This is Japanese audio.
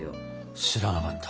知らなかった。